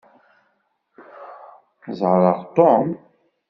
Ẓeṛṛeɣ Tom.